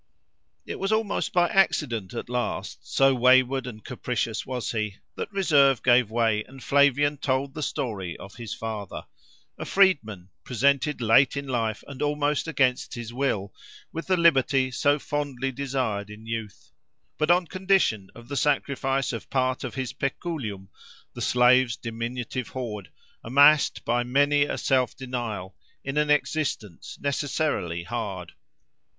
It was almost by accident at last, so wayward and capricious was he, that reserve gave way, and Flavian told the story of his father—a freedman, presented late in life, and almost against his will, with the liberty so fondly desired in youth, but on condition of the sacrifice of part of his peculium—the slave's diminutive hoard—amassed by many a self denial, in an existence necessarily hard.